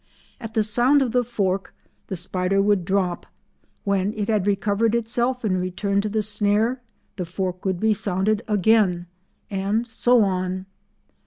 At the sound of the fork the spider would drop; when it had recovered itself and returned to the snare the fork would be sounded again, and so on.